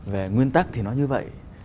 về nguyên tắc thì nó như vậy